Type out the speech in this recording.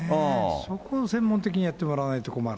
そこを専門的にやってもらわないと困る。